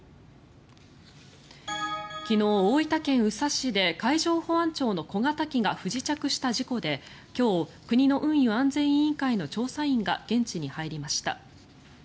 昨日、大分県宇佐市で海上保安庁の小型機が不時着した事故で今日、国の運輸安全委員会の調査員が現地に入りました。